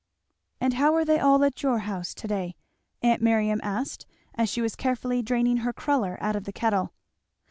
"And how are they all at your house to day?" aunt Miriam asked as she was carefully draining her cruller out of the kettle.